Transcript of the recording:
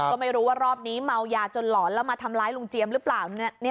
ก็ไม่รู้ว่ารอบนี้เมายาจนหลอนแล้วมาทำร้ายลุงเจียมหรือเปล่า